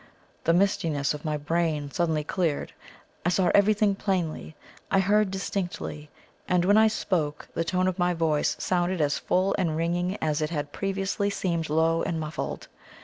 The mistiness of my brain suddenly cleared; I saw everything plainly; I heard distinctly; and when I spoke, the tone of my voice sounded as full and ringing as it had previously seemed low and muffled.